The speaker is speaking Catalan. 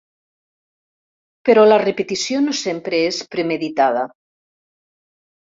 Però la repetició no sempre és premeditada.